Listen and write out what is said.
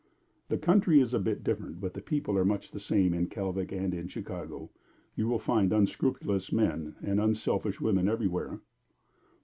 "The country is a bit different, but the people are much the same in Kalvik and in Chicago. You will find unscrupulous men and unselfish women everywhere."